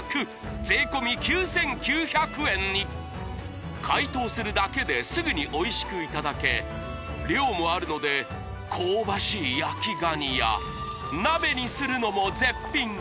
税込９９００円に解凍するだけですぐにおいしくいただけ量もあるので香ばしい焼きガニや鍋にするのも絶品！